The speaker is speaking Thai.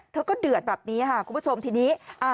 เธอก็เดือดแบบนี้ค่ะคุณผู้ชมทีนี้